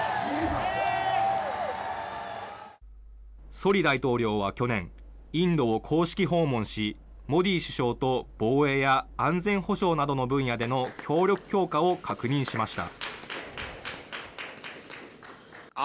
ソリ大統領は去年、インドを公式訪問し、モディ首相と防衛や安全保障などの分野での協力強化を確認しました。